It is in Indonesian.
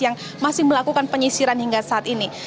yang masih melakukan penyisiran hingga saat ini